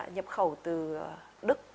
nhập khẩu từ đức